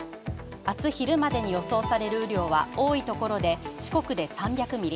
明日昼までに予想される雨量は多い所で四国で３００ミリ